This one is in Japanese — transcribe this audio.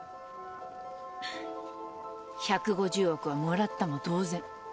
１５０億はもらったも同然。